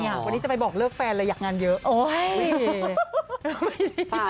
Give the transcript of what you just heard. วันนี้มันนี้จะไปบอกเลิกแฟนเหลืองีางานเยอะ